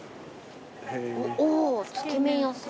おおつけ麺屋さんなんだ。